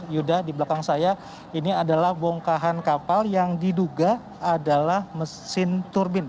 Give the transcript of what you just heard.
yuda di belakang saya ini adalah bongkahan kapal yang diduga adalah mesin turbin